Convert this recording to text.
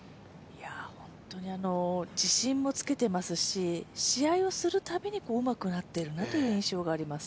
本当に自信もつけていますし、試合をするたびにうまくなっているなという印象があります。